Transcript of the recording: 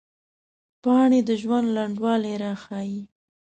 پاڼې د ژوند لنډوالي راښيي